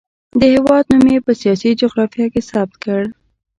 د هېواد نوم یې په سیاسي جغرافیه کې ثبت کړ.